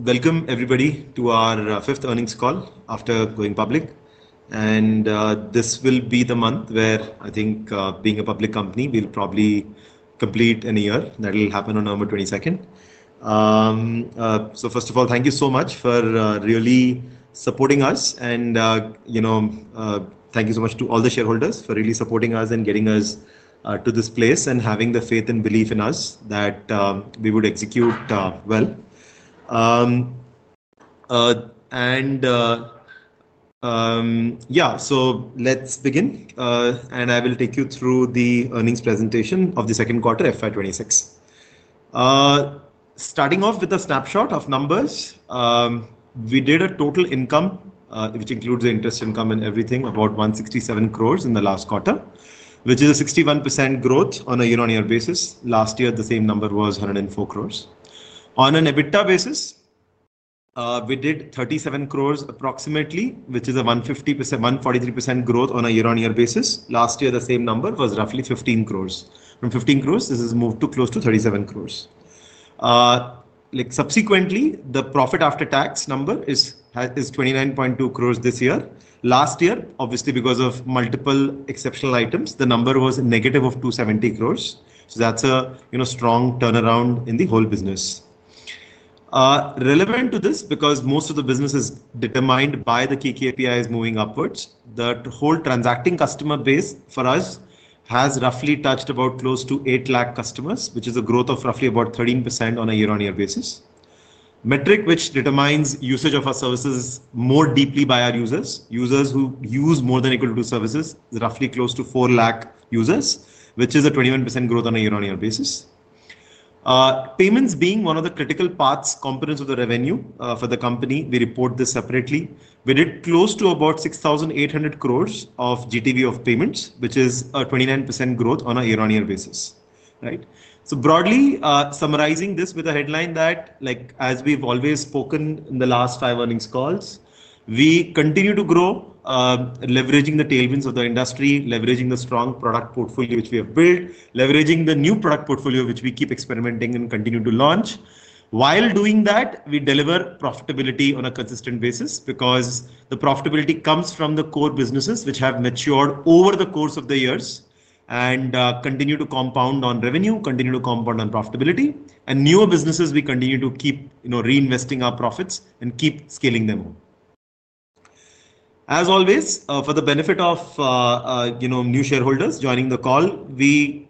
Welcome everybody to our fifth earnings call after going public. This will be the month where I think being a public company will probably complete in a year. That will happen on November 22nd. First of all, thank you so much for really supporting us and, you know, thank you so much to all the shareholders for really supporting us and getting us to this place and having the faith and belief in us that we would execute well. Yeah. Let's begin and I will take you through the earnings presentation of the second quarter FY 2026. Starting off with a snapshot of numbers, we did a total income which includes the interest income and everything, about 167 crore in the last quarter which is a 61% growth on a year-on-year basis. Last year the same number was 104 crore. On an EBITDA basis, we did 37 crore approximately, which is 143% growth on a year-on-year basis. Last year the same number was roughly 15 crore. From 15 crore this has moved to close to 37 crore. Subsequently the profit after tax number is 29.2 crore this year. Last year, obviously because of multiple exceptional items, the number was negative of 270 crore. That is a strong turnaround in the whole business. Relevant to this because most of the business is determined by the key KPI is moving upwards. The whole transacting customer base for us has roughly touched about close to 800,000 customers which is a growth of roughly about 13% on a year-on-year basis. Metric which determines usage of our services more deeply by our users. Users who use more than equal to services is roughly close to 400,000 users, which is a 21% growth on a year-on-year basis. Payments being one of the critical parts components of the revenue for the company. We report this separately. We did close to about 6,800 crore of GTV of payments, which is a 29% growth on a year-on-year basis, right? Broadly summarizing this with a headline that like as we've always spoken in the last five earnings calls, we continue to grow leveraging the tailwinds of the industry, leveraging the strong product portfolio which we have built, leveraging the new product portfolio which we keep experimenting and continue to launch. While doing that, we deliver profitability on a consistent basis because the profitability comes from the core businesses which have matured over the course of the years and continue to compound on revenue, continue to compound on profitability and newer businesses. We continue to keep reinvesting our profits and keep scaling them. As always for the benefit of new shareholders joining the call, we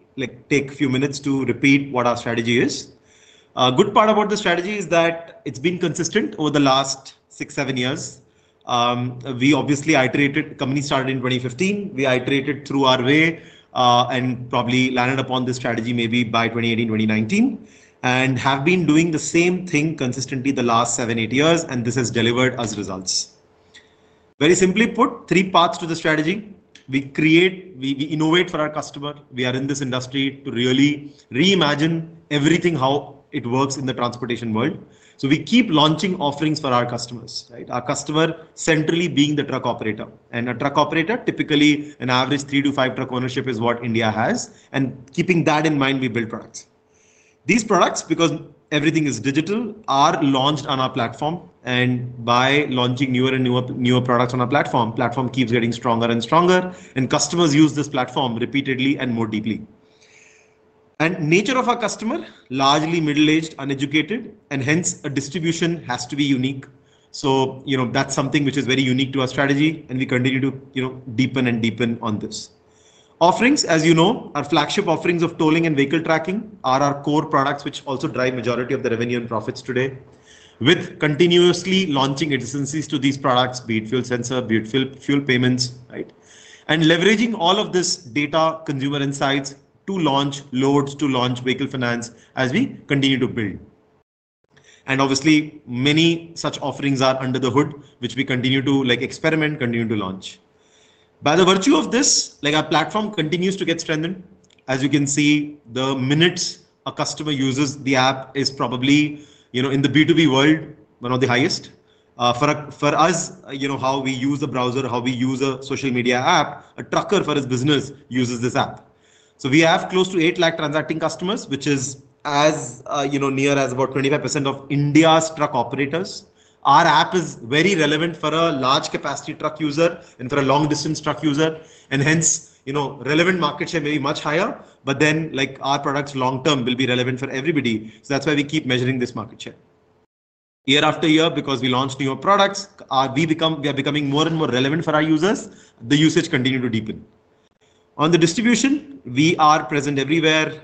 take few minutes to repeat what our strategy is. The good part about the strategy is that it's been consistent over the last six, seven years. We obviously iterated. Company started in 2015, we iterated through our way and probably landed upon this strategy maybe by 2018, 2019. We have been doing the same thing consistently the last seven, eight years. This has delivered us results. Very simply put, three parts to the strategy we create. We innovate for our customer. We are in this industry to really reimagine everything, how it works in the transportation world. We keep launching offerings for our customers. Our customer centrally being the truck operator. A truck operator typically, an average three to five truck ownership is what India has. Keeping that in mind, we build products. These products, because everything is digital, are launched on our platform. By launching newer and newer products on our platform, platform keeps getting stronger and stronger. Customers use this platform repeatedly and more deeply. The nature of our customer is largely middle aged, uneducated, and hence distribution has to be unique. That is something which is very unique to our strategy, and we continue to deepen and deepen on these. Offerings as you know, our flagship offerings of tolling and vehicle tracking are our core products, which also drive the majority of the revenue and profits today, with continuously launching adjacencies to these products. Be it fuel sensor, be it fuel payments, and leveraging all of this data, consumer insights to launch loads, to launch vehicle finance as we continue to build, and obviously many such offerings are under the hood which we continue to experiment, continue to launch. By virtue of this, our platform continues to get strengthened. As you can see, the minutes a customer uses the app is probably, in the B2B world, one of the highest. For us, how we use the browser, how we use a social media app, a trucker for his business uses this app. We have close to 800,000 transacting customers which is, as you know, near as about 25% of India's truck operators. Our app is very relevant for a large capacity truck user and for a long distance truck user, and hence relevant market share may be much higher. Our products, long term, will be relevant for everybody. That is why we keep measuring this market share. Year-after-year, because we launch newer products, we are becoming more and more relevant for our users the usage continues to deepen. On the distribution, we are present everywhere.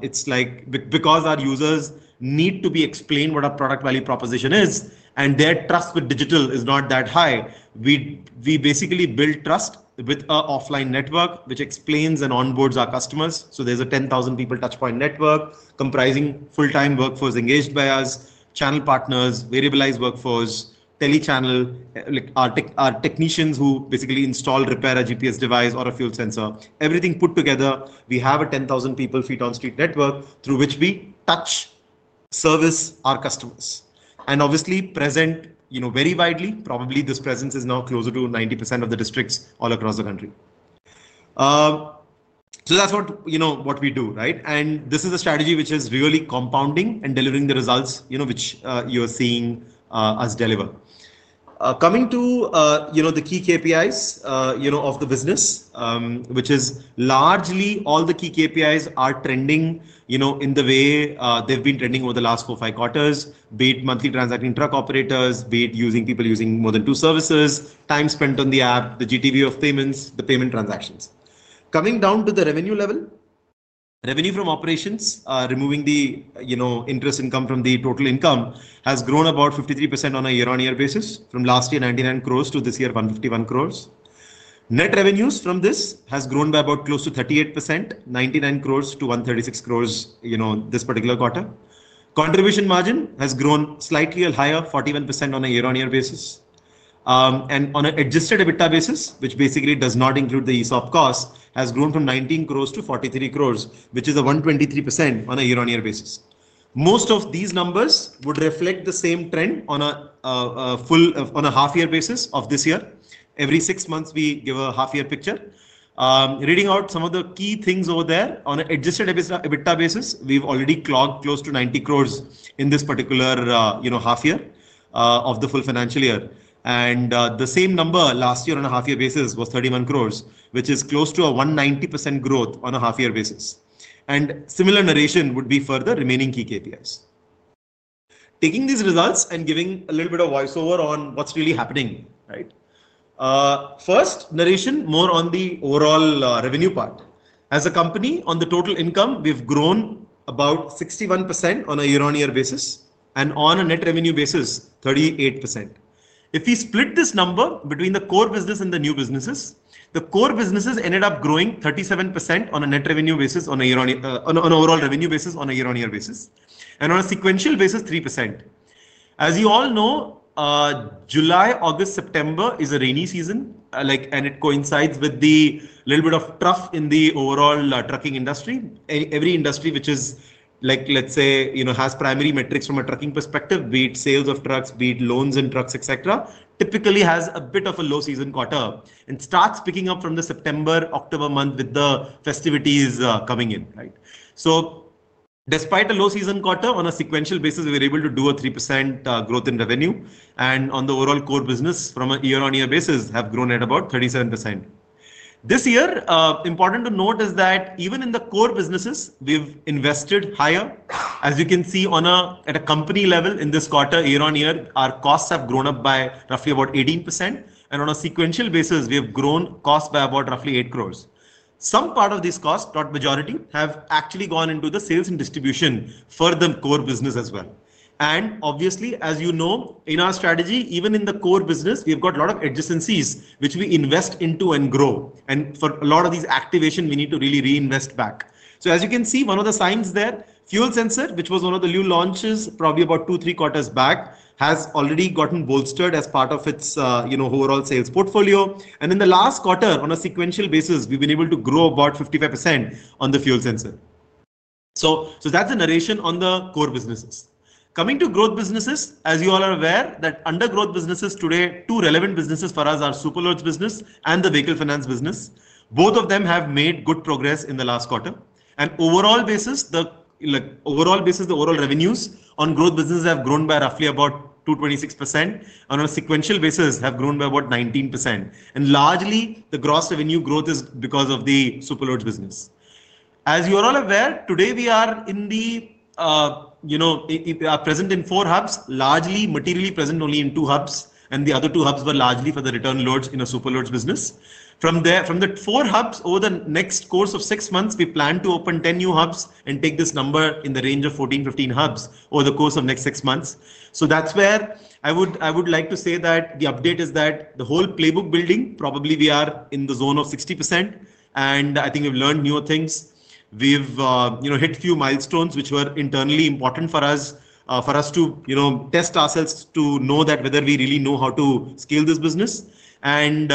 It is like our users need to be explained what our product value proposition is, and their trust with digital is not that high. We basically build trust with offline network which explains and onboards our customers. There is a 10,000 people touchpoint network comprising full-time workforce engaged by us channel partners, variableized workforce, tele channel, our technicians who basically install, repair a GPS device or a fuel sensor. Everything put together, we have a 10,000 people feet on street network through which we touch, service our customers and obviously present very widely. Probably this presence is now closer to 90% of the districts all across the country. That is what we do and this is a strategy which is really compounding and delivering the results which you are seeing us deliver. Coming to the key KPIs of the business, which is largely all the key KPIs are trending in the way they have been trending over the last four-five quarters. Be it monthly transacting truck operators, be it people using more than two services, time spent on the app, the GTV of payments, the payment transactions. Coming down to the revenue level, revenue from operations, removing the interest income from the total income has grown about 53% on a year-on-year basis from last year 99 crore to this year 151 crore. Net revenues from this have grown by about close to 38%, 99 crore to 136 crore, this particular quarter. Contribution margin has grown slightly higher, 41% on a year-on-year basis. On an Adjusted EBITDA basis, which basically does not include the ESOP cost, has grown from 19 crore to 43 crore, which is a 123% on a year-on-year basis. Most of these numbers would reflect the same trend on a half-year basis of this year. Every six months we give a half year picture. Reading out some of the key things over there. On an Adjusted EBITDA basis we have already clocked close to 90 crore in this particular half year of the full financial year. The same number last year on a half year basis was 31 crore, which is close to a 190% growth on a half year basis. Similar narration would be for the remaining key KPIs. Taking these results and giving a little bit of voiceover on what is really happening, right? First, narration more on the overall revenue part as a company. On the total income we have grown about 61% on a year-on-year basis and on a net revenue basis 38%. If we split this number between the core business and the new businesses, the core businesses ended up growing 37% on a net revenue basis, on overall revenue basis, on a year-on-year basis and on a sequential basis, 3%. As you all know, July, August, September is a rainy season and it coincides with a little bit of trough in the overall trucking industry. Every industry which is like, let's say, has primary metrics from a trucking perspective, be it sales of trucks, be it loans and trucks, et cetera. typically has a bit of a low season quarter and starts picking up from the September, October month with the festivities coming in. Despite a low season quarter, on a sequential basis we were able to do a 3% growth in revenue. On the overall core business from a year-on-year basis, we have grown at about 37% this year. Important to note is that even in the core businesses we have invested higher. As you can see at a company level in this quarter, year-on-year our costs have grown up by roughly about 18% and on a sequential basis we have grown cost by about roughly 8 crore. Some part of these costs, not majority, have actually gone into the sales and distribution for the core business as well. Obviously, as you know, in our strategy, even in the core business we have got a lot of adjacencies which we invest into and grow. For a lot of these activation we need to really reinvest back. As you can see, one of the signs there, fuel sensor, which was one of the new launches probably about two, three quarters back, has already gotten bolstered as part of its overall sales portfolio. In the last quarter on a sequential basis, we've been able to grow about 55% on the fuel sensor. That's the narration on the core businesses. Coming to growth businesses, as you all are aware that under growth businesses today, two relevant businesses for us are superloads business and the vehicle finance business. Both of them have made good progress in the last quarter. On an overall basis, the overall revenues on growth business have grown by roughly about 226% on a sequential basis, have grown by, what, 19%. Largely, the gross revenue growth is because of the superloads business. As you are all aware, today we are present in four hubs, largely materially present only in two hubs. The other two hubs were largely for the return loads in a Superloads business. From there, from the four hubs, over the next course of six months we plan to open 10 new hubs and take this number in the range of 14-15 hubs over the course of the next six months. That is where I would like to say that the update is that the whole playbook building, probably we are in the zone of 60%. I think we have learned new things. We have hit a few milestones which were internally important for us to test ourselves to know whether we really know how to scale this business. Happy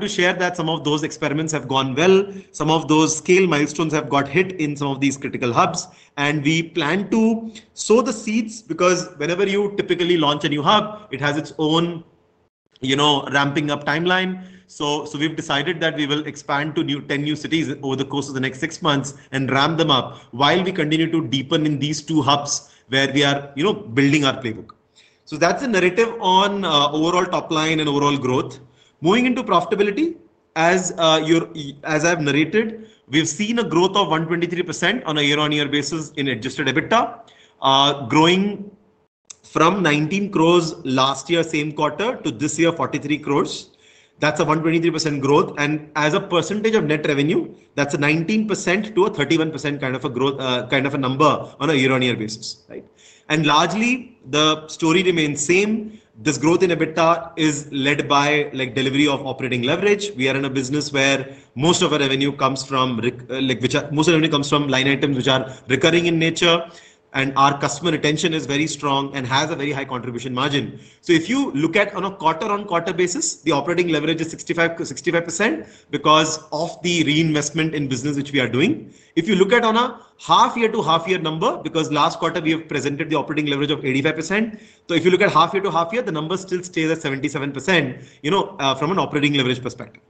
to share that some of those experiments have gone well, some of those scale milestones have got hit in some of these critical hubs and we plan to sow the seeds because whenever you typically launch a new hub, it has its own ramping up timeline. We have decided that we will expand to 10 new cities over the course of the next six months and ramp them up while we continue to deepen in these two hubs where we are building our playbook. That is a narrative on overall top line and overall growth moving into profitability. As I have narrated, we have seen a growth of 123% on a year-on-year basis in Adjusted EBITDA growing from 19 crore last year, same quarter to this year, 43 crore. That's a 123% growth and as a percentage of net revenue, that's a 19%-31% kind of a number on a year-on-year basis. Largely the story remains same. This growth in EBITDA is led by delivery of operating leverage. We are in a business where most of our revenue comes from, most of the comes from line items which are recurring in nature and our customer retention is very strong and has a very high contribution margin. If you look at on a quarter-on-quarter basis the operating leverage is 65% because of the reinvestment in business which we are doing. If you look at on a half-year to half-year number because last quarter we have presented the operating leverage of 85%. If you look at half-year to half-year, the number still stays at 77%. From an operating leverage perspective,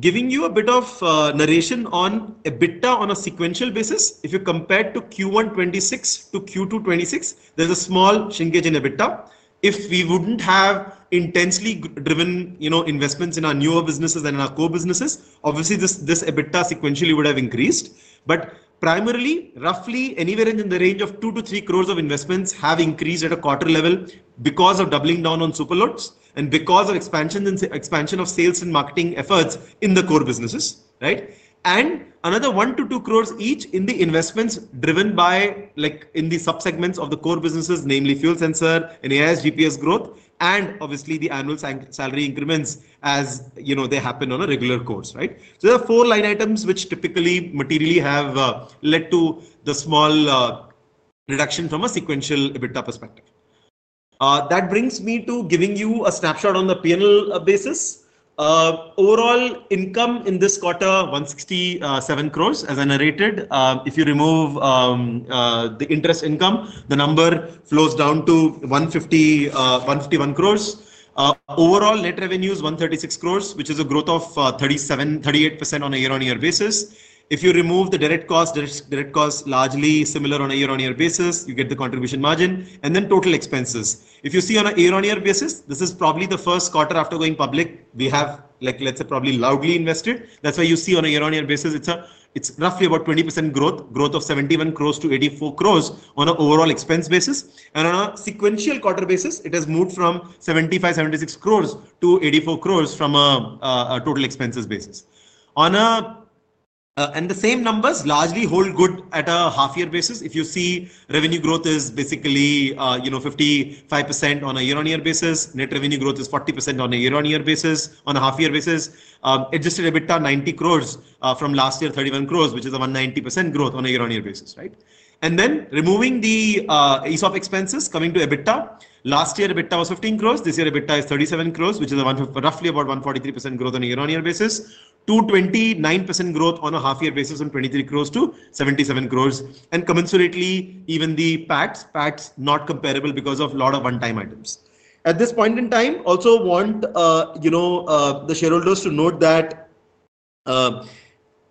giving you a bit of narration on EBITDA on a sequential basis, if you compare Q1 2026 to Q2 2026, there is a small shrinkage in EBITDA. If we would not have intensely driven investments in our newer businesses and our core businesses, obviously this EBITDA sequentially would have increased. Primarily, roughly anywhere in the range of 20,000,000-30,000,000 of investments have increased at a quarter level because of doubling down on Superloads and because of expansion of sales and marketing efforts in the core businesses. Another 10,000,000-20,000,000 each in the investments driven by the subsegments of the core businesses, namely fuel sensor and AI, ASGPS growth, and obviously the annual salary increments as they happen in the regular course. There are four line items which typically materially have led to the small reduction from a sequential EBITDA perspective. That brings me to giving you a snapshot. On the PL basis, overall income in this quarter 167 crores as I narrated, if you remove the interest income the number flows down to 150-151 crores. Overall net revenues 136 crores which is a growth of 37%-38% on a year-on-year basis. If you remove the direct cost, direct cost largely similar on a year-on-year basis you get the contribution margin and then total expenses. If you see on a year-on-year basis this is probably the first quarter after going public we have let's say probably loudly invested. That's why you see on a year-on-year basis it's roughly about 20% growth, growth of 71 crores to 84 crores on an overall expense basis. On a sequential quarter basis it has moved from 7,576 crore to 84 crore from a total expenses basis. The same numbers largely hold good at a half year basis. If you see, revenue growth is basically 55% on a year-on-year basis. Net revenue growth is 40% on a year-on-year basis. On a half year Adjusted EBITDA is inr 90 crore from last year, 31 crore, which is a 190% growth on a year-on-year basis. Removing the ESOP expenses, coming to EBITDA, last year EBITDA was 15 crore. This year EBITDA is 37 crore, which is roughly about 143% growth on a year-on-year basis to 29% growth on a half year basis from 23 crore to 77 crore. Commensurately, even the PATs, PATs, not comparable because of a lot of one-time items at this point in time. Also want the shareholders to note that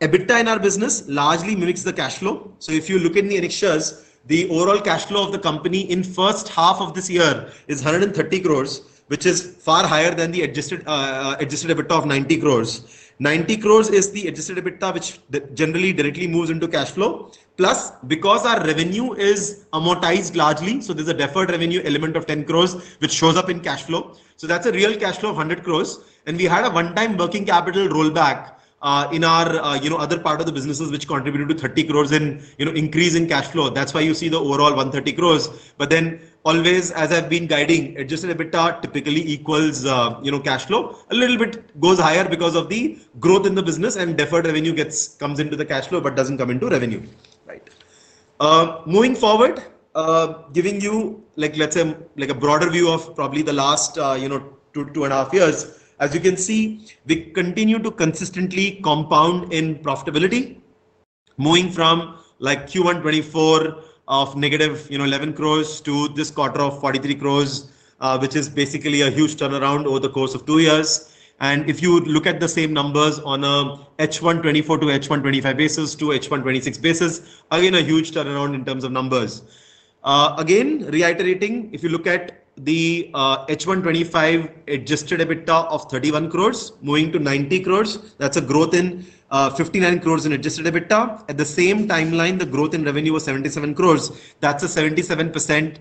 EBITDA in our business largely mimics the cash flow. If you look in the annexures, the overall cash flow of the company in the first half of this year is 130 crores, which is far higher than the Adjusted EBITDA of 90 crores. 90 crores is the Adjusted EBITDA, which generally directly moves into cash flow. Plus, because our revenue is amortized largely, there is a deferred revenue element of 10 crores, which shows up in cash flow. That is a real cash flow of 100 crores. We had a one-time working capital rollback in our other part of the businesses, which contributed to 30 crores in increase in cash flow. That is why you see the overall 130 crores. As I have been guiding, Adjusted EBITDA typically equals cash flow, a little bit goes higher because of the growth in the business. Deferred revenue comes into the cash flow but does not come into revenue. Moving forward, giving you, let's say, a broader view of probably the last two and a half years. As you can see, we continue to consistently compound in profitability, moving from Q1 2024 of negative 11 crore to this quarter of 43 crore, which is basically a huge turnaround over the course of two years. If you look at the same numbers on a H1 2024 to H1 2025 basis to H1 2026 basis, again a huge turnaround in terms of numbers. Again reiterating, if you look at the H1 2025 Adjusted EBITDA of 31 crore moving to 90 crore, that is a growth of 59 crore in Adjusted EBITDA. At the same timeline, the growth in revenue was 77 crore. That is a 77%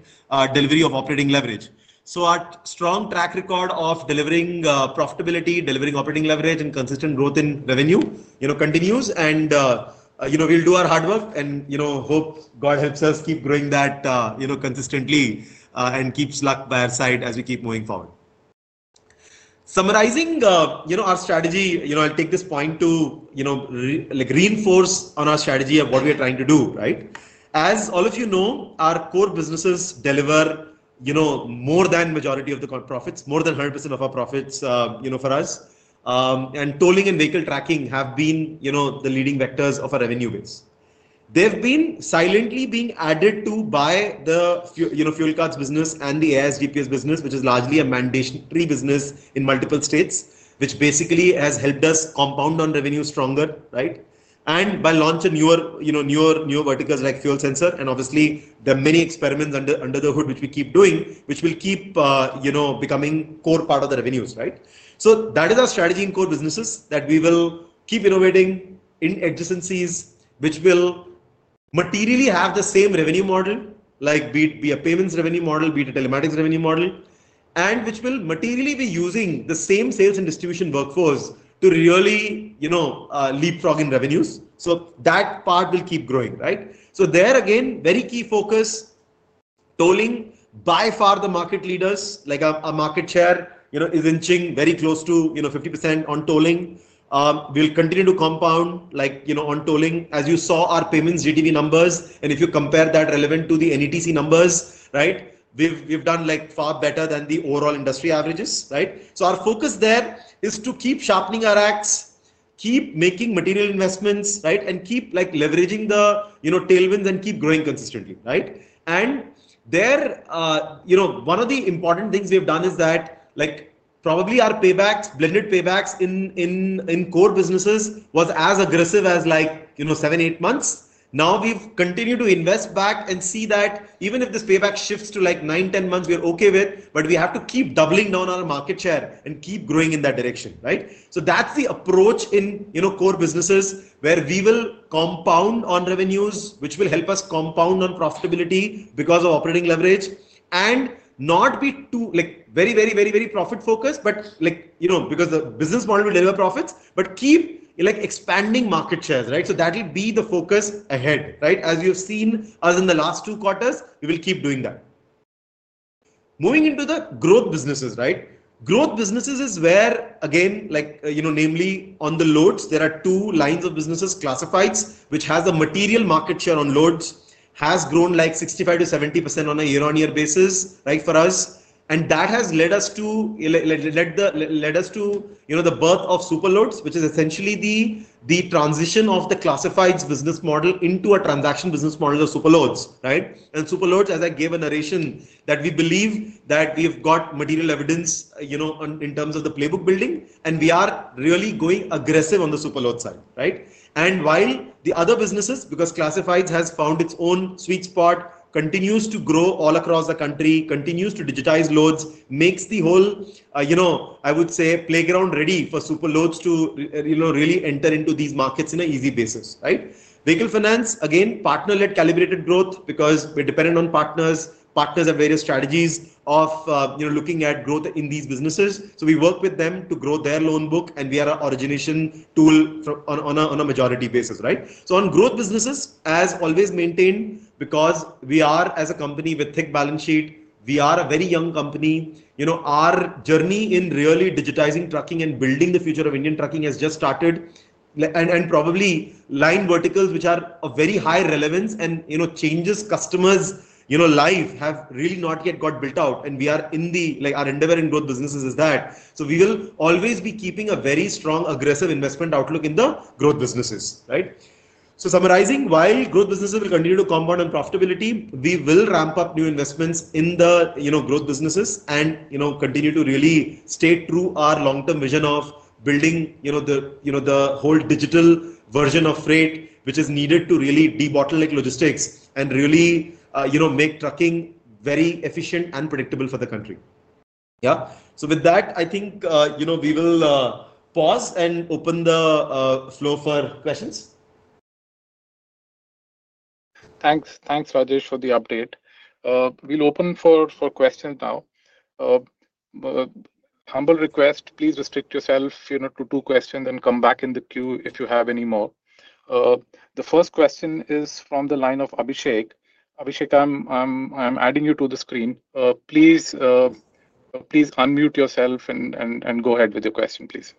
delivery of operating leverage. Our strong track record of delivering profitability, delivering operating leverage and consistent growth in revenue continues. We'll do our hard work and hope God helps us keep growing that consistently and keep luck by our side as we keep moving forward. Summarizing our strategy, I'll take this point to reinforce on our strategy of what we are trying to do. As all of you know, our core businesses deliver more than majority of the profits, more than 100% of our profits for us and tolling and vehicle tracking have been the leading vectors of our revenue base. They've been silently being added to by the fuel cards business and the ASGPS business, which is largely a mandatory business in multiple states, which basically has helped us compound on revenue stronger and by launching new verticals like fuel sensor. Obviously there are many experiments under the hood which we keep doing which will keep becoming core part of the revenues. That is our strategy in core businesses, that we will keep innovating in existencies which will materially have the same revenue model, like be it a payments revenue model, be it a telematics revenue model, and which will materially be using the same sales and distribution workforce to really leapfrog in revenues. That part will keep growing. There again, very key focus tolling. By far the market leaders, like our market share is inching very close to 50% on tolling. We'll continue to compound on tolling. As you saw our payments GTV numbers, and if you compare that relevant to the NETC numbers, right, we've done far better than the overall industry averages. Our focus there is to keep sharpening our axe, keep making material investments, and keep leveraging the tailwinds and keep growing consistently. There, one of the important things we have done is that probably our paybacks, blended paybacks in core businesses, was as aggressive as seven-eight months. Now, we have continued to invest back and see that even if this payback shifts to nine, 10 months, we are okay with that, but we have to keep doubling down our market share and keep growing in that direction, right? That is the approach in core businesses where we will compound on revenues, which will help us compound on profitability because of operating leverage, and not be too very, very, very, very profit focused. Like, you know, because the business wanted to deliver profits, but keep expanding market shares. That will be the focus ahead. As you've seen us in the last two quarters, we will keep doing that moving into the growth businesses. Growth businesses is where again namely on the loads there are two lines of businesses. Classifieds, which has a material market share on loads, has grown like 65%-70% on a year-on-year basis for us. That has led us to, you know, the birth of superloads, which is essentially the transition of the classifieds business model into a transaction business model of superloads. Right? Superloads, as I gave a narration, we believe that we have got material evidence in terms of the playbook building and we are really going aggressive on the superloads side, right? While the other businesses, because classifieds has found its own sweet spot, continues to grow all across the country, continues to digitize loads, continues to make the whole, I would say, playground ready for super loads to really enter into these markets in an easy basis. Vehicle finance, again, partner led, calibrated growth. Because we are dependent on partners. Partners have various strategies of looking at growth in these businesses. We work with them to grow their loan book. We are an origination tool on a majority basis. On growth businesses, as always maintained, because we are as a company with thick balance sheet, we are a very young company. Our journey in really digitizing trucking and building the future of Indian trucking has just started and probably line verticals which are of very high relevance and change customers' life have really not yet got built out and we are in the our endeavor in growth businesses is that. We will always be keeping a very strong aggressive investment outlook in the growth businesses. Summarizing, while growth businesses will continue to compound in profitability, we will ramp up new investments in the growth businesses and continue to really stay through our long-term vision of building the whole digital version of freight which is needed to really debottle logistics and really make trucking very efficient and predictable for the country. With that I think we will pause and open the floor for questions. Thanks. Thanks Rajesh for the update. We'll open for questions now. Humble request, please restrict yourself to two questions and come back in the queue if you have any more. The first question is from the line of Abhisek. Abhisek, I'm adding you to the screen. Please unmute yourself and go ahead with your question. Please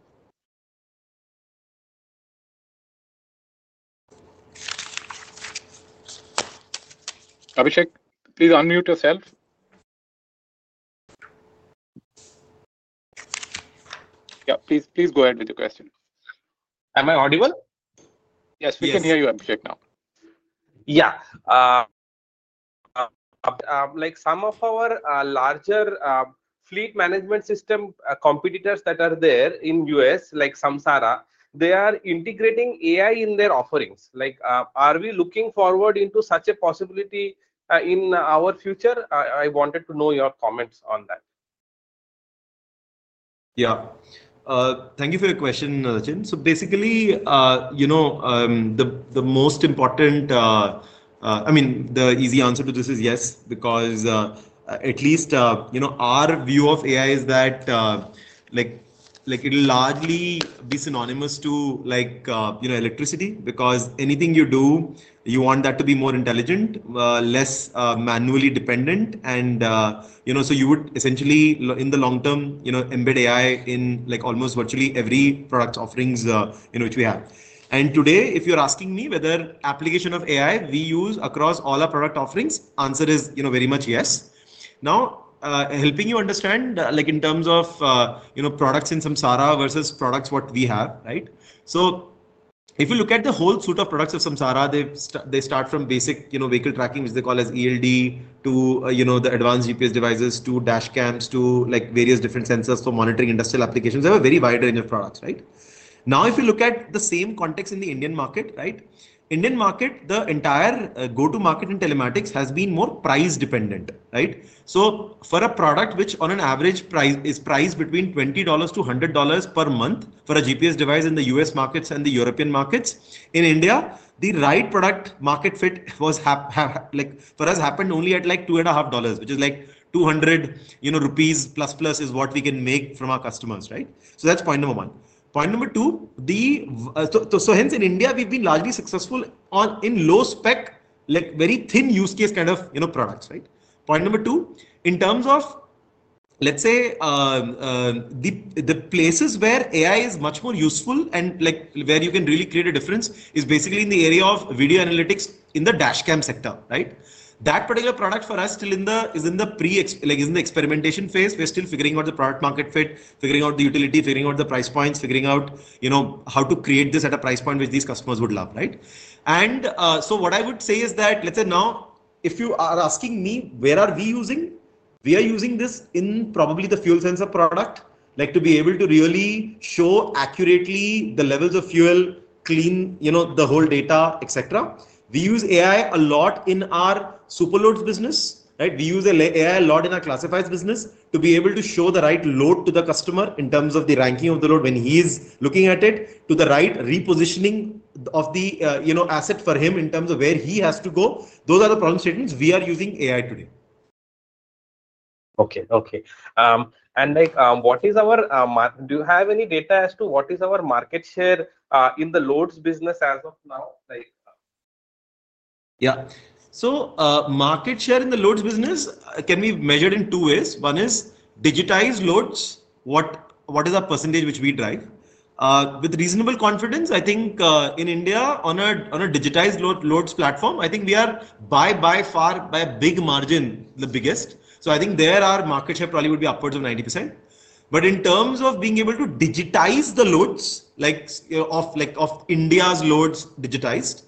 Abhisek, please unmute yourself. Yeah, please, please go ahead with your question. Am I audible? Yes, we can hear you Abhisek now. Yeah, like some of our larger fleet management system competitors that are there in the U.S., like Samsara, they are integrating AI in their offerings. Like are we looking forward into such a possibility in our future? I wanted to know your comments on that. Yeah, thank you for your question. So basically, you know, the most important, I mean the easy answer to this is yes because at least our view of AI is that it will largely be synonymous to electricity because anything you do, you want that to be more intelligent, less manually dependent. You would essentially in the long term embed AI in almost virtually every product offerings which we have. Today if you're asking me whether application of AI we use across all our product offerings, answer is very much yes. Now helping you understand like in terms of products in Samsara versus products, what we have. If you look at the whole suite of products of Samsara, they start from basic vehicle tracking, which they call as ELD, to the advanced GPS devices, to dash cams, to various different sensors for monitoring industrial applications. They have a very wide range of products. Now, if you look at the same context in the Indian market, the entire go to market in telematics has been more price dependent, right? For a product which on an average is priced between $20-$100 per month for a GPS device in the U.S. markets and the European markets, in India, the right product market fit for us happened only at like $2.5, which is like 200 rupees plus plus is what we can make from our customers, right? That's point number one. Point number two. Hence in India we've been largely successful in low spec, like very thin use case kind of products, right? Point number two in terms of, let's say the places where AI is much more useful and where you can really create a difference is basically in the area of video analytics in the dash cam sector. That particular product for us still is in the experimentation phase. We're still figuring out the product market fit, figuring out the utility, figuring out the price points, figuring out how to create this at a price point which these customers would love. What I would say is that, let's say now if you are asking me where are we using, we are using this in probably the fuel sensor product to be able to really show accurately the levels of fuel, clean the whole data, et cetera. We use AI a lot in our superloads business. We use AI a lot in our classifieds business to be able to show the right load to the customer in terms of the ranking of the load when he's looking at it, to the right repositioning of the asset for him in terms of where he has to go. Those are the problem statements. We are using AI today. Okay. Okay. Do you have any data as to what is our market share in the loads business as of now? Yeah. So market share in the loads business can be measured in two ways. One is digitized loads. What is a percentage which we drive with reasonable confidence. I think in India on a digitized loads platform I think we are by far by a big margin, the biggest. So I think there our market share probably would be upwards of 90%. In terms of being able to digitize the loads, like of India's loads digitized,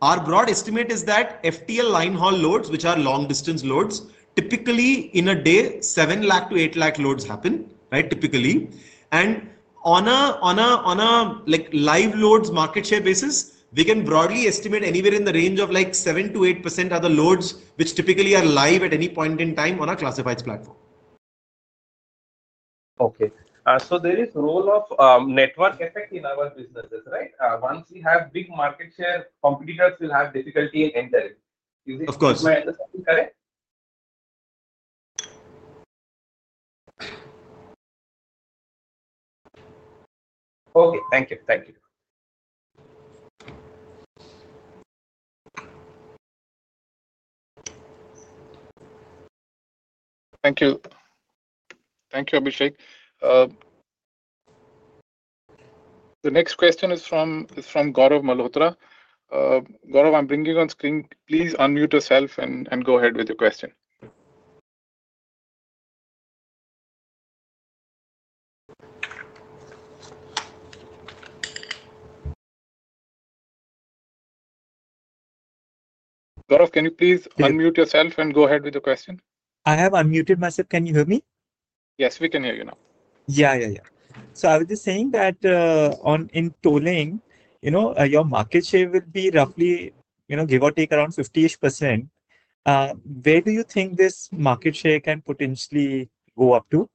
our broad estimate is that FTL line haul loads, which are long distance loads, typically in a day 700,000-800,000 loads happen typically, and on a live loads market share basis we can broadly estimate anywhere in the range of like 7%-8%. Other loads which typically are live at any point in time on a classifieds platform. Okay. There is role of network effect in our businesses, right? Once we have big market share, competitors will have difficulty in entering. Of course. Okay, thank you. Thank you. Thank you. Thank you. Abhisek. The next question is from Gaurav Malhotra. Gaurav, I am bringing you on screen, please unmute yourself and go ahead with your question. Gaurav, can you please unmute yourself and go ahead with your question? I have unmuted myself. Can you hear me? Yes, we can hear you now. Yeah, yeah, yeah. I was just saying that on, in tolling, you know, your market share will be roughly, you know, give or take, around 50% ish. Where do you think this market share can potentially go up to?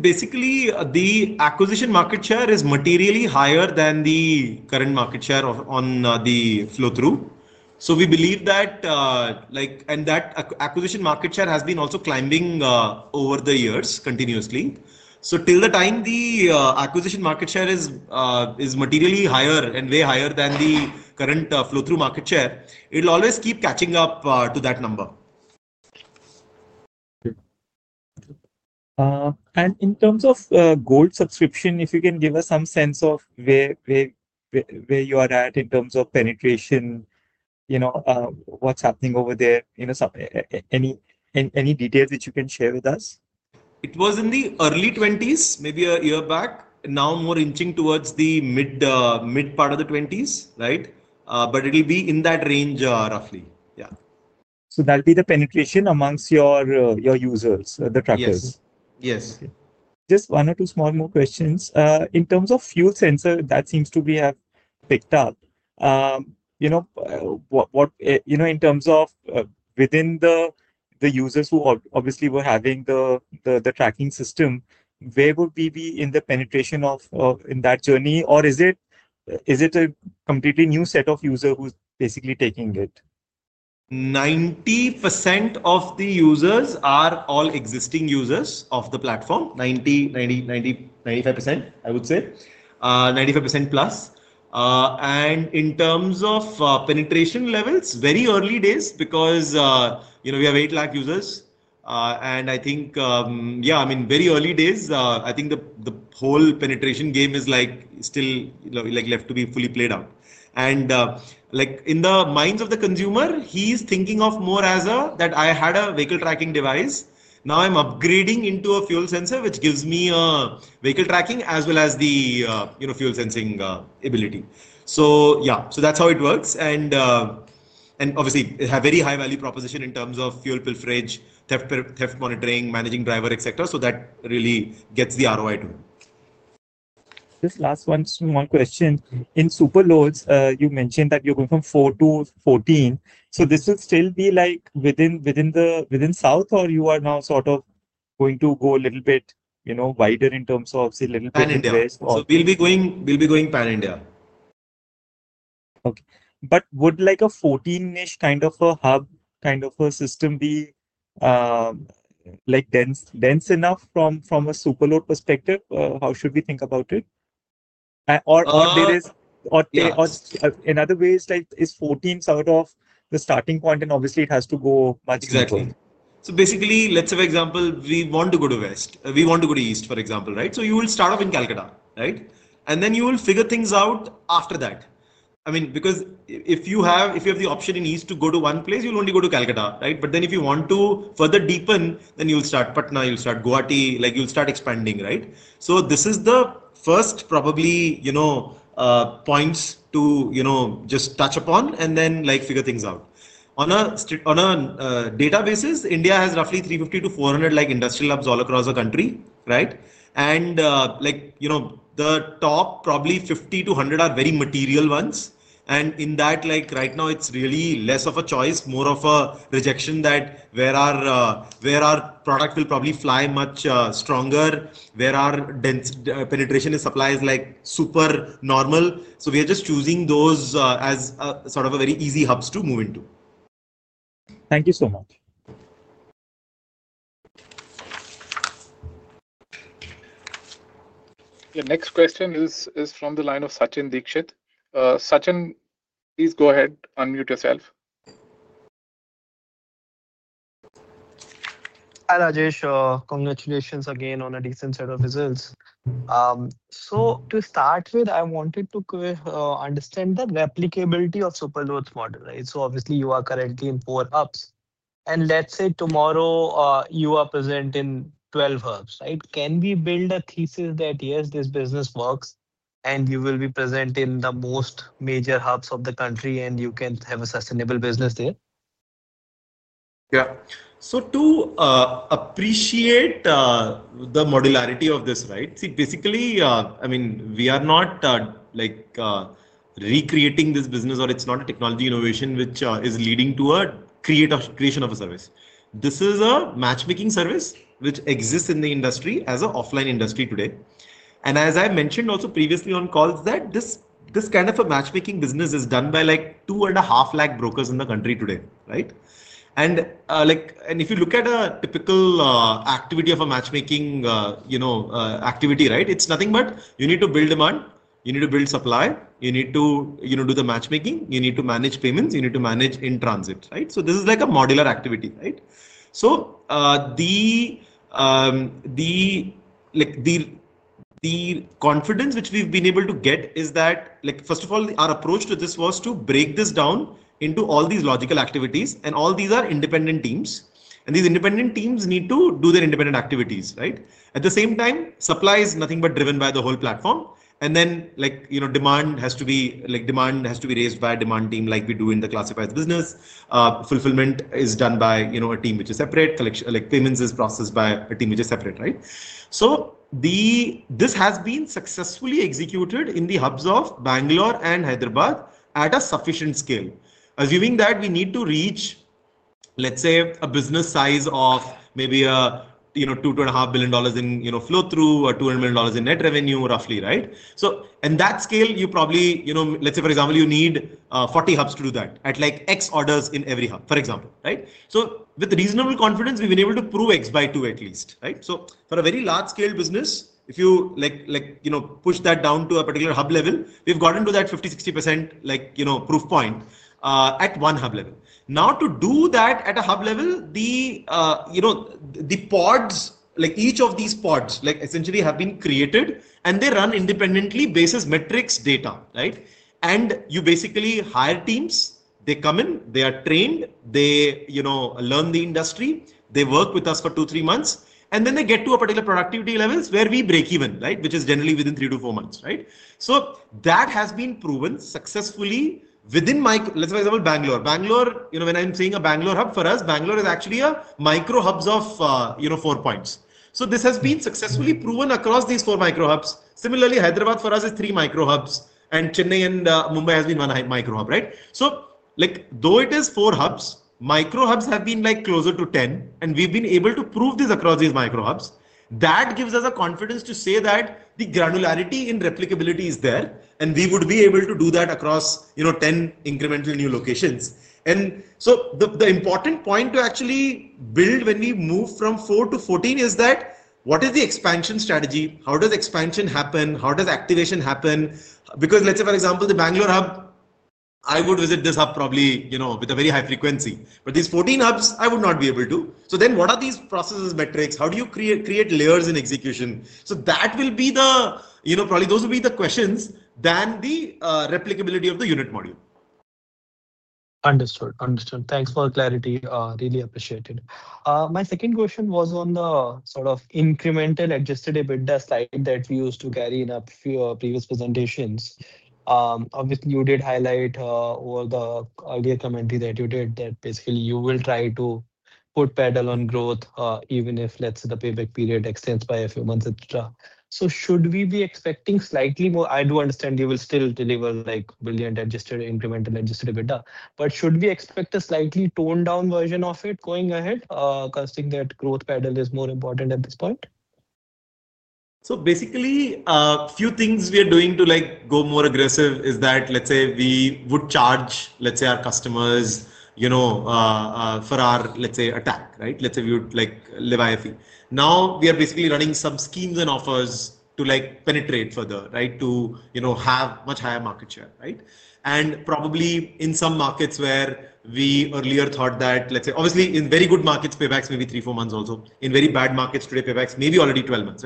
Basically, the acquisition market share is materially higher than the current market share on the flow through. We believe that, like, that acquisition market share has been also climbing over the years continuously. Till the time the acquisition market share is materially higher and way higher than the current flow through market share, it will always keep catching up to that number. In terms of gold subscription, if you can give us some sense of where you are at in terms of penetration, you know, what's happening over there, you know, any details which you can share with us. It was in the early 20s, maybe a year back now more inching towards the mid part of the 20s, right? It will be in that range roughly. Yeah. That'll be the penetration amongst your users, the trackers. Yes. Just one or two small more questions in terms of fuel sensor that seems to be, have picked up in terms of within the users who obviously were having the tracking system. Where would we be in the penetration in that journey or is it, is it a completely new set of user who's basically taking it? 90% of the users are all existing users of the platform. 90%, 90%, 90%, 95% I would say 95%+. In terms of penetration levels, very early days because you know, we have 8 lakh users and I think, yeah, I mean very early days, I think the whole penetration game is still left to be fully played out and in the minds of the consumer. He's thinking of more as that I had a vehicle tracking device, now I'm upgrading into a fuel sensor which gives me vehicle tracking as well as the fuel sensing ability. That's how it works. Obviously have very high value proposition in terms of fuel pilferage, theft, monitoring, managing driver, et cetera. That really gets the ROI to. This last one small question. In superloads you mentioned that you're going from 4 to 14. So this will still be like within, within the, within south or you are now sort of going to go a little bit, you know, wider in terms of say little Pan India. We'll be going pan India. Okay, but would like a 14ish kind of a hub kind of a system be like dense, dense enough from, from a superloads perspective, how should we think about it? Or there is another way. Is 14 sort of the starting point and obviously it has to go much. Exactly. So basically let's say for example we want to go to west, we want to go to east for example, right? You will start off in Calcutta, right. Then you will figure things out after that. I mean because if you have, if you have the option in east to go to one place you'll only go to Calcutta. If you want to further deepen then you'll start Patna, you'll start Guwahati, like you'll start expanding, right? This is the first probably, you know, points to, you know, just touch upon and then like figure things out on a databases. India has roughly 350-400 industrial hubs all across the country, right? You know the top probably 50 to 100 are very material ones. In that, right now it's really less of a choice, more of a rejection, that where our product will probably fly much stronger, where our dense penetration supply is super normal. We are just choosing those as sort of very easy hubs to move into. Thank you so much. Your next question is from the line of Sachin Dixit. Sachin, please go ahead, unmute yourself. Congratulations again on a decent set of results. To start with I wanted to understand the replicability of superloads model, right? Obviously you are currently in four hubs and let's say tomorrow you are present in 12 hubs. Can we build a thesis that yes, this business works and you will be present in the most major hubs of the country and you can have a sustainable business there? Yeah. To appreciate the modularity of this, right, see basically I mean we are not like recreating this business or it's not a technology innovation which is leading to a creation of a service. This is a matchmaking service which exists in the industry as an offline industry today. As I mentioned also previously on calls, this kind of a matchmaking business is done by like two and a half lakh brokers in the country today, right. If you look at a typical activity of a matchmaking activity, right, it's nothing but you need to build demand, you need to build supply, you need to do the matchmaking, you need to manage payments, you need to manage in transit, right? This is like a modular activity. So. The confidence which we've been able to get is that first of all our approach to this was to break this down into all these logical activities. All these are independent teams and these independent teams need to do their independent activities. At the same time, supply is nothing but driven by the whole platform. Then demand has to be raised by demand team like we do in the classifieds business. Fulfillment is done by a team which is separate. Payments is processed by a team which is separate. This has been successfully executed in the hubs of Bangalore and Hyderabad at a sufficient scale. Assuming that we need to reach, let's say, a business size of maybe $2.5 billion in flow through or $200 million in net revenue roughly. That scale you probably, let's say for example, you need 40 hubs to do that at like X orders in every hub, for example. Right? With reasonable confidence we've been able to prove X by two at least, right? For a very large scale business, if you like, you know, push that down to a particular hub level, we've gotten to that 50%-60% like you know, proof point at one hub level. Now to do that at a hub level, the, you know, the pods like each of these pods like essentially have been created and they run independently. Basis metrics, data like, and you basically hire teams, they come in, they are trained, they learn the industry, they work with us for two, three months and then they get to a particular productivity levels where we break even, which is generally within three to four months. That has been proven successfully within, let's say about Bangalore. When I am saying a Bangalore hub, for us, Bangalore is actually micro hubs of four points. This has been successfully proven across these four micro hubs. Similarly, Hyderabad for us is three micro hubs and Chennai and Mumbai has been one micro hub. Though it is four hubs, micro hubs have been closer to 10. We have been able to prove this across these micro hubs, that gives us confidence to say that the granularity in replicability is there and we would be able to do that across 10 incremental new locations. The important point to actually build when we move from 4 to 14 is what is the expansion strategy? How does expansion happen? How does activation happen? Because let's say for example the Bangalore hub, I would visit this hub probably with a very high frequency, but these 14 hubs I would not be able to. What are these processes, metrics, how do you create layers in execution? That will be the, you know, probably those will be the questions rather than the replicability of the unit module. Understood, understood. Thanks for clarity. Really appreciated. My second question was on the sort of incremental Adjusted EBITDA slide that we used to carry in a few previous presentations. Obviously you did highlight all the earlier commentary that you did that basically you will try to put pedal on growth even if let's say the payback period extends by a few months, et cetera. Should we be expecting slightly more. I do understand you will still deliver like brilliant adjusted incremental Adjusted EBITDA. Should we expect a slightly toned down version of it going ahead, considering that growth pedal is more important at this point. Basically, few things we are doing to go more aggressive is that, let's say, we would charge, let's say, our customers for our, let's say, attack, let's say, we would live ife. Now we are basically running some schemes and offers to penetrate further to have much higher market share, and probably in some markets where we earlier thought that, let's say, obviously in very good markets, paybacks may be three-four months. Also, in very bad markets today, paybacks may be already 12 months.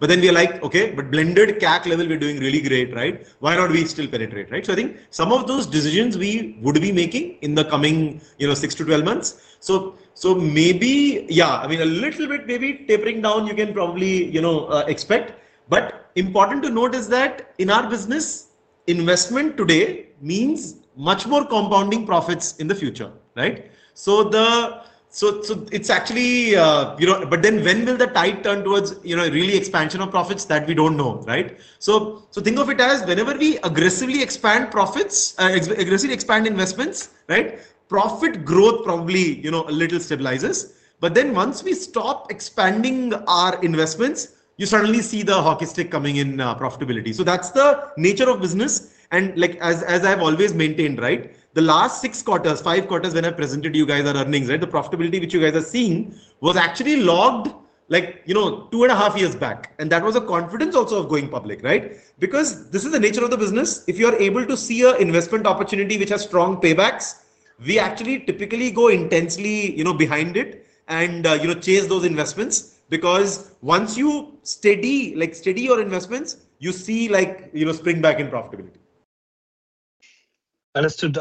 Then we are like, okay, but at blended CAC level, we're doing really great. Why don't we still penetrate? I think some of those decisions we would be making in the coming six to 12 months. Maybe, yeah, I mean, a little bit maybe tapering down, you can probably expect. Important to note is that in our business, investment today means much more compounding profits in the future, right? It's actually, but then when will the tide turn towards really expansion of profits, that we don't know, right? Think of it as whenever we aggressively expand profits, aggressively expand investments, profit growth probably a little stabilizes. Once we stop expanding our investments, you suddenly see the hockey stick coming in profitability. That's the nature of business. As I've always maintained the last six quarters, five quarters when I presented you guys our earnings, the profitability which you guys are seeing was actually logged two and a half years back. That was a confidence also of going public, because this is the nature of the business. If you are able to see an investment opportunity which has strong paybacks, we actually typically go intensely behind it and chase those investments. Because once you sell steady, like steady your investments, you see, like, you know, spring back in profitability. Understood.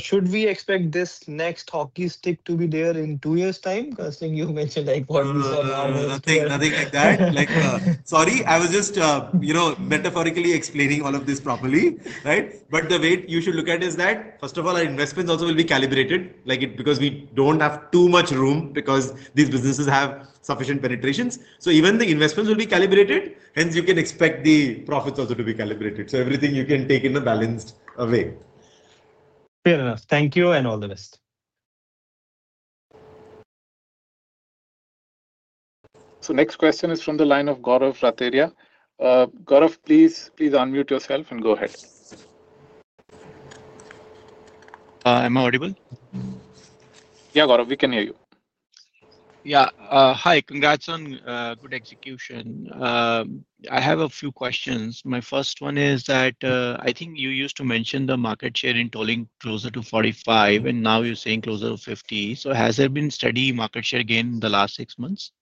Should we expect this next hockey stick to be there in two years' time? Because you mentioned like what we saw, nothing. Nothing like that. Like, sorry, I was just, you know, metaphorically explaining all of this properly, right? The weight you should look at is that first of all, our investments also will be calibrated like it, because we do not have too much room because these businesses have sufficient penetrations. Even the investments will be calibrated. Hence you can expect the profits also to be calibrated. Everything you can take in a balanced way. Fair enough, thank you and all the best. Next question is from the line of Gaurav Rateria. Gaurav, please unmute yourself and go ahead. Am I audible? Yeah, Gaurav, we can hear you. Yeah, hi. Congrats on good execution. I have a few questions. My first one is that I think you used to mention the market share in tolling closer to 45% and now you're saying closer to 50%. Has there been steady market share gain the last six months?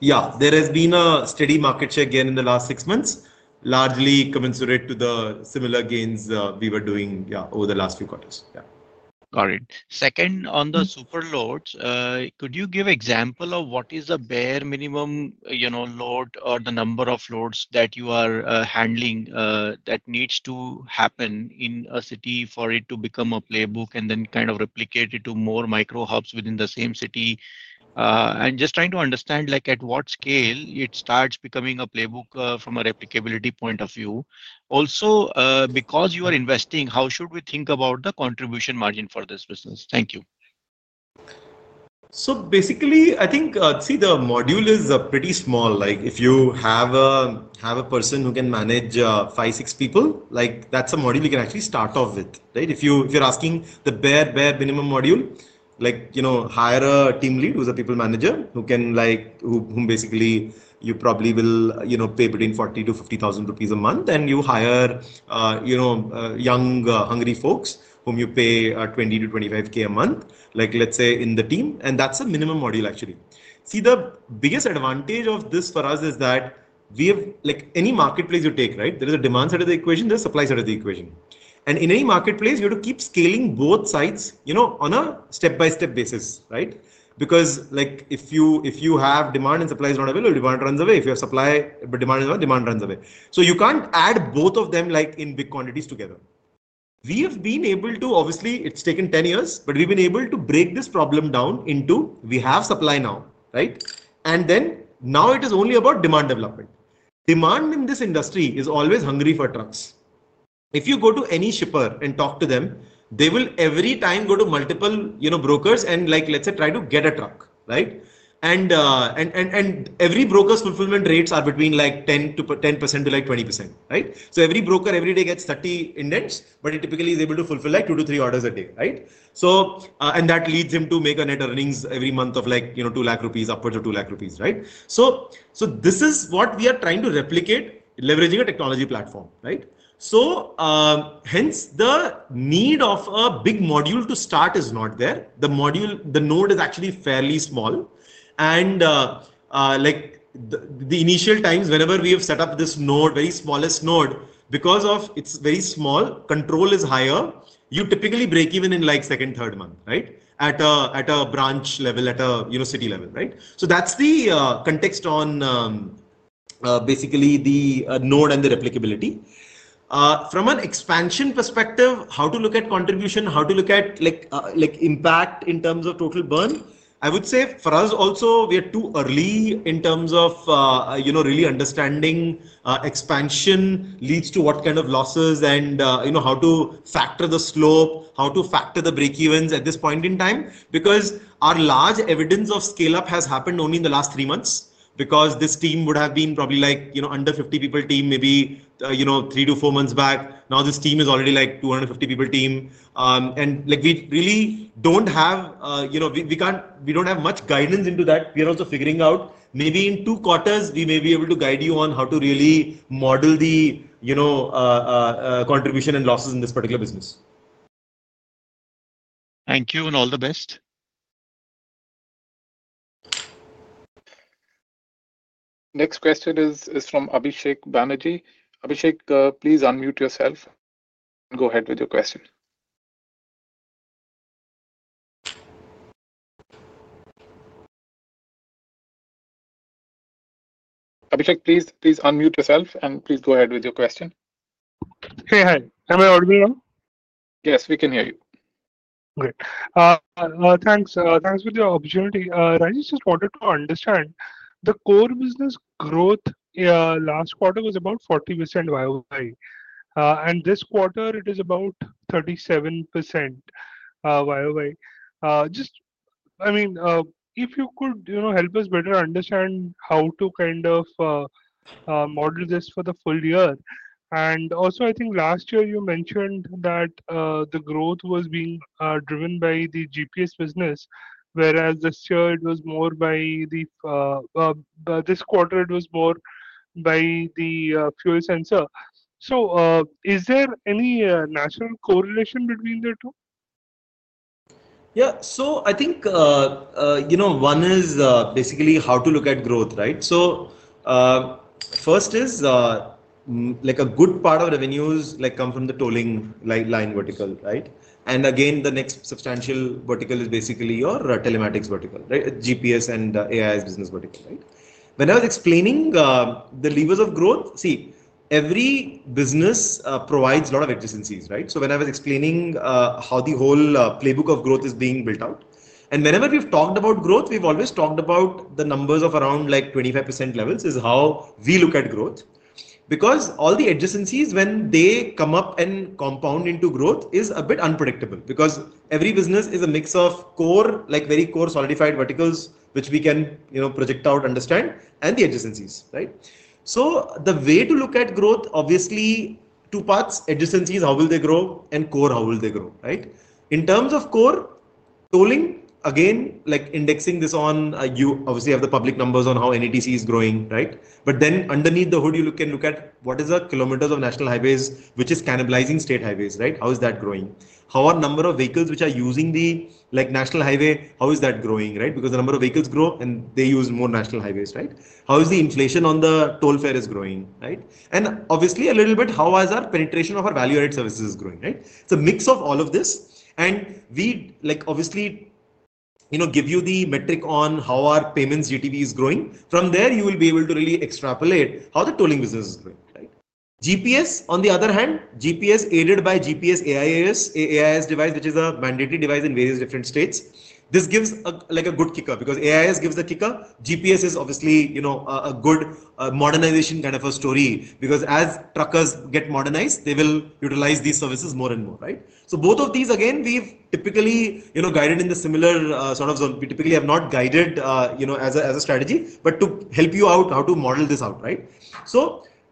Yeah, there has been a steady market share gain in the last six months, largely commensurate to the similar gains we were doing over the last few quarters. Got it. Second, on the superloads, could you give example of what is a bare minimum load or the number of loads that you are handling that needs to happen in a city for it to become a playbook and then kind of replicate it to more micro hubs within the same city? I am just trying to understand, like at what scale it starts becoming a playbook from a replicability point of view. Also, because you are investing, how should we think about the contribution margin for this business? Thank you. Basically, I think, see, the module is pretty small. Like if you have a person who can manage five-six people, like that's a model you can actually start off with, right? If you're asking the bare, bare minimum module, like, you know, hire a team lead who's a people manager who can, like, whom basically you probably will, you know, pay between 40,000-50,000 rupees a month and you hire, you know, young, hungry folks, folks whom you pay 20,000-25,000 a month, like let's say in the team. And that's a minimum module. Actually, see, the biggest advantage of this for us is that we have, like any marketplace you take, right? There is a demand side of the equation, there's a supply side of the equation. In any marketplace you have to keep scaling both sides, you know, on a step-by-step basis, right? Because, like, if you have demand and supply is not available, demand runs away. If you have supply but demand is, demand runs away. You can't add both of them, like, in big quantities together. We have been able to, obviously, it's taken 10 years, but we've been able to break this problem down into we have supply now, and then, now it is only about demand. Development demand in this industry is always hungry for trucks. If you go to any shipper and talk to them, they will every time go to multiple brokers and, let's say, try to get a truck. Every broker's fulfillment rates are between 10%-20%. Every broker every day gets 30 indents. He typically is able to fulfill like two to three orders a day. That leads him to make a net earnings every month of like 200,000 rupees. Upwards of 200,000 rupees, right? This is what we are trying to replicate leveraging a technology platform. Hence, the need of a big module to start is not there. The module, the node is actually fairly small. Like the initial times, whenever we have set up this node, very smallest node, because it is very small, control is higher. You typically break even in the second or third month, right, at a branch level, at a city level. That is the context on basically the node and the replicability from an expansion perspective. How to look at contribution, how to look at impact in terms of total burn. I would say for us also we are too early in terms of really understanding expansion leads to what kind of losses and how to factor the slope, how to factor the breakevens at this point in time. Because our large evidence of scale up has happened only in the last three months. This team would have been probably like under 50 people team maybe three to four months back. Now this team is already like 250 people team. We really do not have, you know, we cannot, we do not have much guidance into that. We are also figuring out maybe in two quarters we may be able to guide you on how to really model the, you know, contribution and losses in this particular business. Thank you and all the best. Next question is from Abhisek Banerjee. Abhisek, please unmute yourself. Go ahead with your question. Abhisek, please unmute yourself and go ahead with your question. Hey. Hi. Am I audible now? Yes, we can hear you. Great, thanks. Thanks for the opportunity. I just wanted to understand the core business growth. Last quarter was about 40% and this quarter it is about 37%. I mean, if you could, you know, help us better understand how to kind of model this for the full year and also I think last year you mentioned that the growth was being driven by the GPS business, whereas this year it was more by the, this quarter it was more by the fuel sensor. Is there any natural correlation between the two? Yeah, so I think, you know, one is basically how to look at growth, right? First is like a good part of revenues come from the tolling line vertical. Again, the next substantial vertical is basically your telematics vertical, GPS and AI business vertical. When I was explaining the levers of growth, see, every business provides a lot of adjacencies. When I was explaining how the whole playbook of growth is being built out, and whenever we've talked about growth, we've always talked about the numbers of around 25% levels is how we look at growth. Because all the adjacencies, when they come up and compound into growth, is a bit unpredictable because every business is a mix of core, like very core solidified verticals which we can project out, understand, and the adjacencies. The way to look at growth, obviously two parts, adjacencies, how will they grow, and core, how will they grow, right. In terms of core tolling, again, like indexing this on, you obviously have the public numbers on how NETC is growing. Underneath the hood you can look at what is the kilometers of national highways which is cannibalizing state highways, right. How is that growing? How are number of vehicles which are using the, like, national highway, how is that growing, right, because the number of vehicles grow and they use more national highways, right. How is the inflation on the toll fare growing, right? Obviously a little bit, how has our penetration of our value added services is growing, right? It is a mix of all of this. We obviously give you the metric on how our payments GTV is growing. From there you will be able to really extrapolate how the tolling business is doing. GPS on the other hand, GPS aided by GPS, AI's device, which is a mandatory device in various different states. This gives like a good kicker because AI gives the kicker. GPS is obviously a good modernization kind of a story because as truckers get modernized, they will utilize these services more and more. Right? Both of these again, we've typically guided in the similar sort of zone. We typically have not guided as a strategy, but to help you out how to model this out. Right?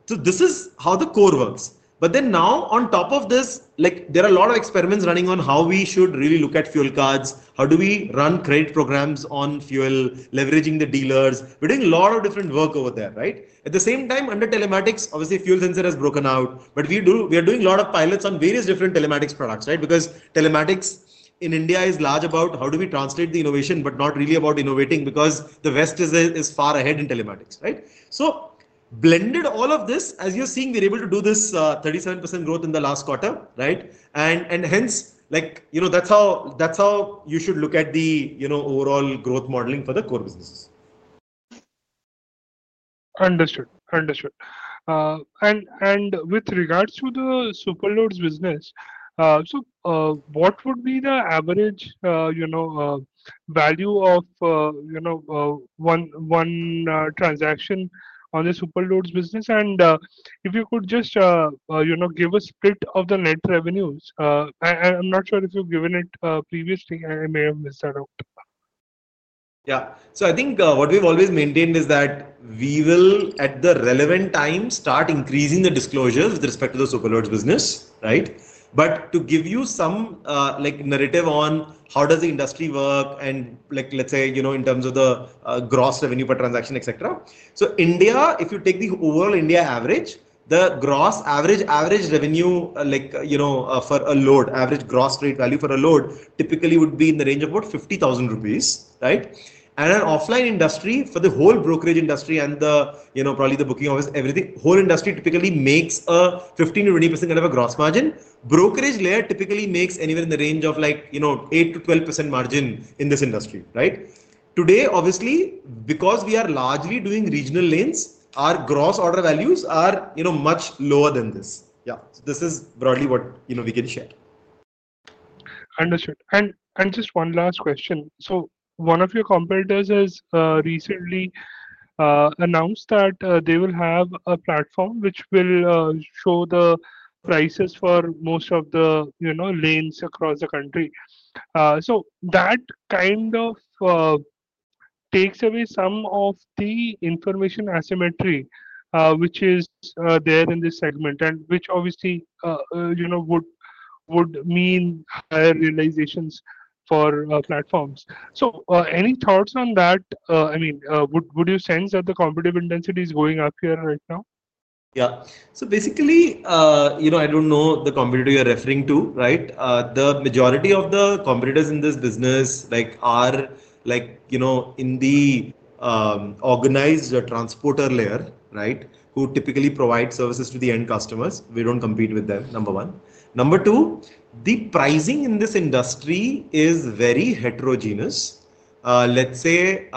This is how the core works. Now on top of this, like there are a lot of experiments running on how we should really look at fuel cards. How do we run credit programs on fuel, leveraging the dealers. We're doing a lot of different work over there, right? At the same time, under telematics, obviously fuel sensor has broken out, but we are doing a lot of pilots on various different telematics products, right? Because telematics in India is large about how do we translate the innovation, but not really about innovating because the West is far ahead in telematics. Blended all of this. As you're seeing, we're able to do this 37% growth in the last quarter, right? Hence, that's how you should look at the overall growth modeling for the core businesses. Understood, understood. With regards to the superloads business, what would be the average value of, you know, one transaction on the superloads business? If you could just, you know, give a split of the net revenues, I am not sure if you have given it previously. I may have missed that out. Yeah. I think what we've always maintained is that we will at the relevant time start increasing the disclosures with respect to the Superloads business, right? To give you some narrative on how does the industry work and, like, let's say, you know, in terms of the gross revenue per transaction, et cetera. India, if you take the overall India average, the gross average, average revenue, like, you know, for a load, average gross rate value for a load typically would be in the range of about 50,000 rupees, right? In an offline industry for the whole brokerage industry and the, you know, probably the booking office, everything, whole industry typically makes a 15%-20% kind of a gross margin. Brokerage layer typically makes anywhere in the range of, like, you know, 8%-12% margin in this industry, right? Today, obviously, because we are largely doing regional lanes, our gross order values are much lower than this. Yeah. This is broadly what we can share. Understood. Just one last question. One of your competitors has recently announced that they will have a platform which will show the prices for most of the, you know, lanes across the country. That kind of takes away some of the information asymmetry which is there in this segment and which obviously, you know, would mean higher realizations for platforms. Any thoughts on that? I mean, would you sense that the competitive intensity is going up here right now? Yeah. Basically, you know, I don't know the competitor you're referring to, right? The majority of the competitors in this business are like, you know, in the organized transporter layer, right? Who typically provide services to the end customers. We don't compete with them, number one. Number two, the pricing in this industry is very heterogeneous. Let's say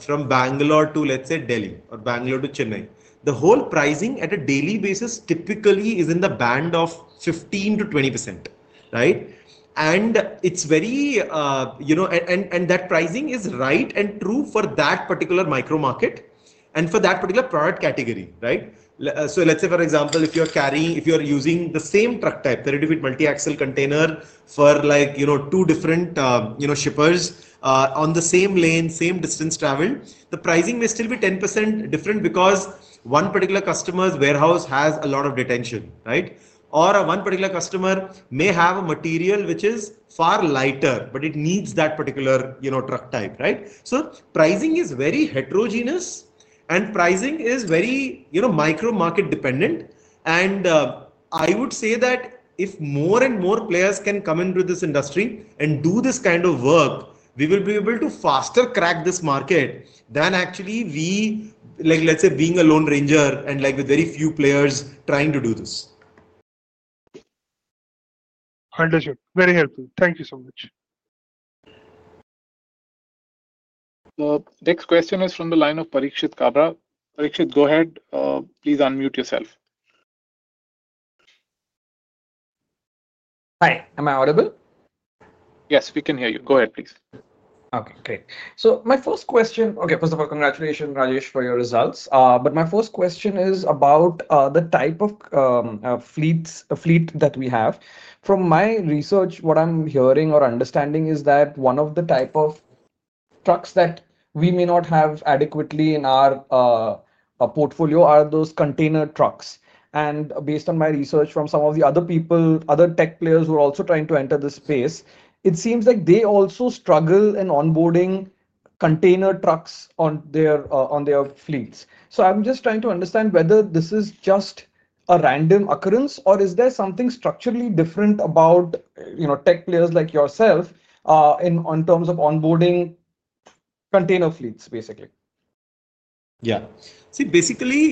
from Bangalore to, let's say, Delhi or Bangalore to Chennai, the whole pricing on a daily basis typically is in the band of 15%-20%, right? And it's very, you know, and that pricing is right and true for that particular micro market and for that particular product category, right? Let's say for example, if you're carrying, if you're using the same truck type, 32 ft multi axle container for like, you know, two different shippers on the same lane, same distance traveled, the pricing may still be 10% different because one particular customer's warehouse has a lot of detention or one particular customer may have a material which is far lighter but it needs that particular truck type. Pricing is very heterogeneous and pricing is very micro market dependent. I would say that if more and more players can come into this industry and do this kind of work, we will be able to faster crack this market than actually, like, let's say, being a lone ranger and with very few players trying to do this. Understood, very helpful. Thank you so much. Next question is from the line of Parikshit Kabra. Parikshit, go ahead, please unmute yourself. Hi, am I audible? Yes, we can hear you. Go ahead, please. Okay, great.My first question, okay, first of all, congratulations Rajesh for your results. My first question is about the type of fleets, fleet that we have. From my research, what I'm hearing or understanding is that one of the type of trucks that we may not have adequately in our portfolio are those container trucks. Based on my research from some of the other people, other tech players who are also trying to enter the space, it seems like they also struggle in onboarding container trucks on their fleets. I'm just trying to understand whether this is just a random occurrence or is there something structurally different about tech players like yourself in terms of onboarding container fleets basically? See, basically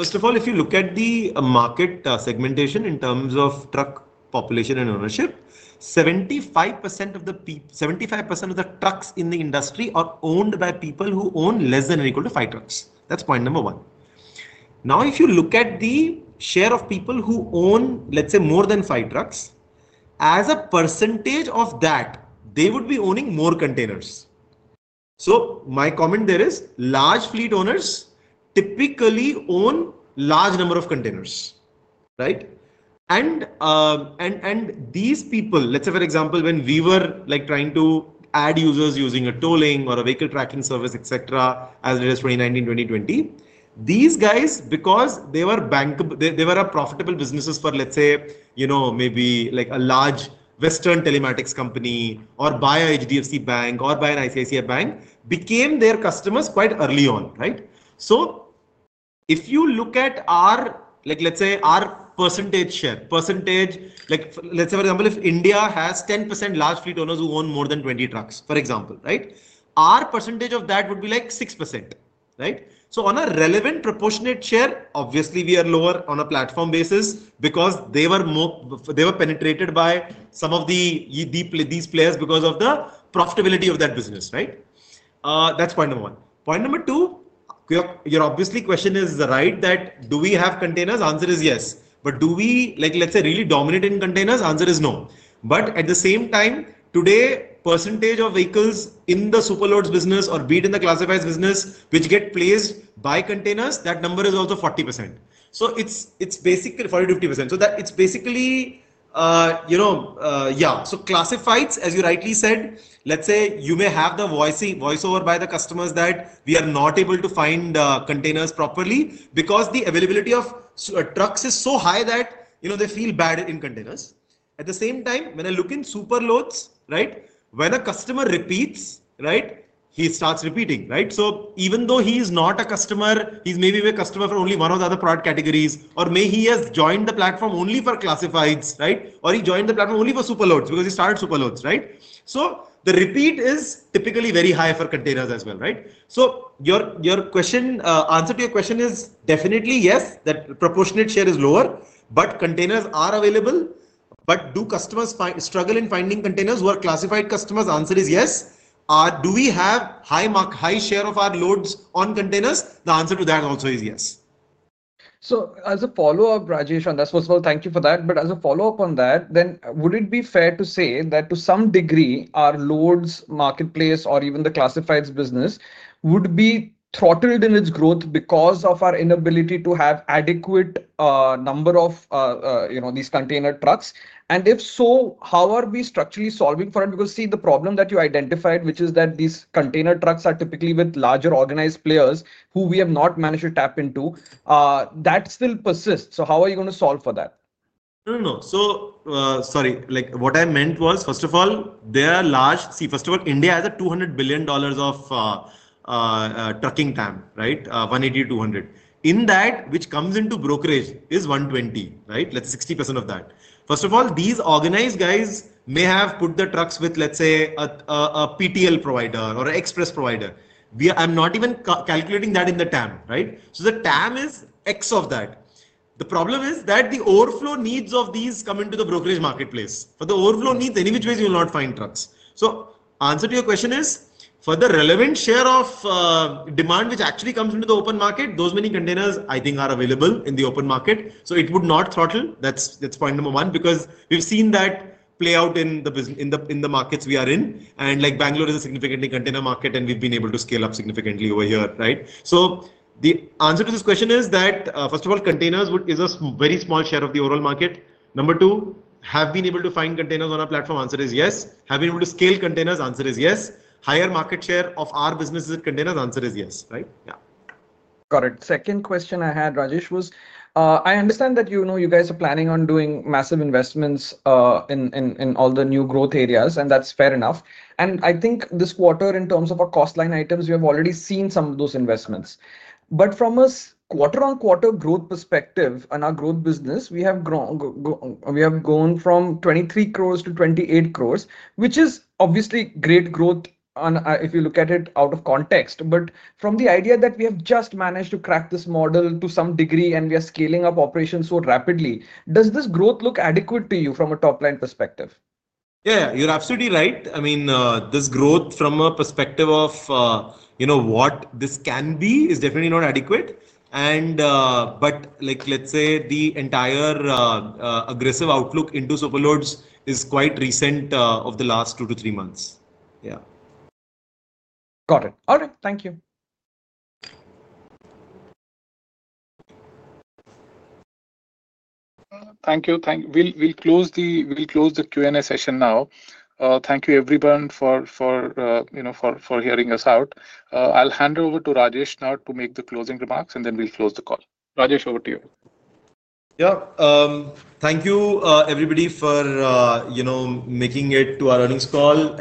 first of all, if you look at the market segmentation in terms of truck population and ownership, 75% of the people, 75% of the trucks in the industry are owned by people who own less than or equal to five trucks. That's point number one. Now if you look at the share of people who own, let's say more than five trucks, as a percentage of that, they would be owning more containers. So my comment there is large fleet owners typically own large number of containers, right? And these people, let's say for example when we were trying to add users using a tolling or a vehicle tracking service, et cetera. As it is 2019, 2020, these guys, because they were profitable businesses for, let's say, you know, maybe like a large western telematics company or by HDFC Bank or by an ICICI Bank, became their customers quite early on, right? If you look at our, like, let's say, our percentage share percentage, like, let's say, for example, if India has 10% large fleet owners who own more than 20 trucks, for example, right, our percentage of that would be like 6%, right? On a relevant proportionate share, obviously we are lower on a platform basis because they were penetrated by some of these players because of the profitability of that business, right? that is point number one. Point number two, your obviously question is right that do we have containers? Answer is yes. Do we, like, really dominate in containers? Answer is no. At the same time, today, percentage of vehicles in the Superloads business, or be it in the Classifieds business which get placed by containers, that number is also 40%. It is basically 40%-50%, so that is basically, you know. Yeah. Classifieds, as you rightly said, you may have the voiceover by the customers that we are not able to find containers properly because the availability of trucks is so high that they feel bad in containers. At the same time, when I look in superloads, right, when a customer repeats, he starts repeating. Even though he is not a customer, he is maybe a customer for only one of the other product categories or maybe he has joined the platform only for classifieds or he joined the platform only for superloads because he started superloads. The repeat is typically very high for containers as well. Your answer to your question is definitely yes, that proportionate share is lower. Containers are available. Do customers struggle in finding containers who are classified customers? The answer is yes. Do we have high share of our loads on containers? The answer to that also is yes. As a follow up, Rajesh, on that, first of all, thank you for that. As a follow up on that, then would it be fair to say that to some degree our loads marketplace or even the classifieds business would be throttled in its growth because of our inability to have adequate number of, you know, these container trucks and if so, how are we structurally solving for it? Because see the problem that you identified, which is that these container trucks are typically with larger organized players who we have not managed to tap into, that still persists. How are you going to solve for that? No, no, sorry. Like what I meant was first of all they are large. See, first of all India has a $200 billion trucking TAM, right? $180 billion, $200 billion in that, which comes into brokerage is $120 billion, right, that's 60% of that. First of all these organized guys may have put the trucks with, let's say, a PTL provider or express provider. I'm not even calculating that in the TAM, right. So the TAM is excluding that. The problem is that the overflow needs of these come into the brokerage marketplace for the overflow needs. Any which ways you will not find trucks. Answer to your question is for the relevant share of demand which actually comes into the open market, those many containers I think are available in the open market. So it would not throttle. That's point number one because we've seen that play out in the business in the markets we are in. Like Bangalore is a significantly container market and we've been able to scale up significantly over here, right? The answer to this question is that first of all, containers is a very small share of the overall market. Number two, have been able to find containers on our platform? Answer is yes. Have been able to scale containers? Answer is yes. Higher market share of our business is in containers? Answer is yes, right? Yeah, got it. Second question I had, Rajesh, was I understand that, you know, you guys are planning on doing massive investments in all the new growth areas and that's fair enough. I think this quarter in terms of our cost line items, we have already seen some of those investments. From a quarter on quarter growth perspective on our growth business, we have grown from 23 crore to 28 crore, which is obviously great growth if you look at it out of context. From the idea that we have just managed to crack this model to some degree and we are scaling up operations so rapidly, does this growth look adequate to you from a top line perspective? Yeah, you're absolutely right. I mean this growth from a perspective of what this can be is definitely not adequate. Let's say the entire aggressive outlook into superloads is quite recent of the last two to three months. Yeah. Got it. All right, thank you. Thank you, thank you. We'll close the Q&A session now. Thank you everyone for, you know, for hearing us out. I'll hand over to Rajesh now to make the closing remarks and then we'll close the call. Rajesh, over to you. Yeah. Thank you, everybody, for, you know, making it to our earnings call.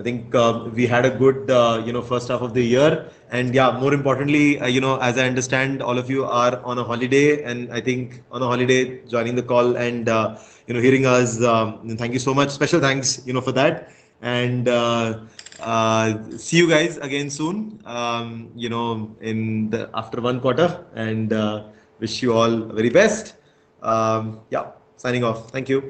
I think we had a good, you know, first half of the year. Yeah, more importantly, you know, as I understand all of you are on a holiday, and I think on a holiday joining the call and, you know, hearing us. Thank you so much. Special thanks, you know, for that. See you guys again soon, you know, after one quarter. Wish you all very best. Yeah. Signing off. Thank you.